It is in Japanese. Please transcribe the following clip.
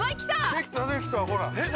◆できたできた、ほら。